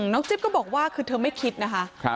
จิ๊บก็บอกว่าคือเธอไม่คิดนะคะ